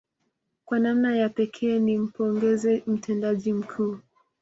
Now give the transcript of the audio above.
Kwa namna ya pekee ni mpongeze mtendaji mkuu